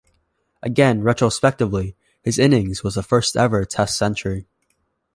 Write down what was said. Again retrospectively, his innings was the first-ever Test century.